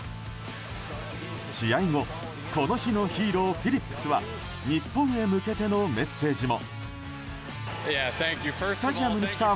試合後、この日のヒーローフィリップスは日本へ向けてのメッセージも。